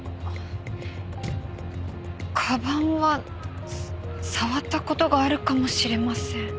鞄は触った事があるかもしれません。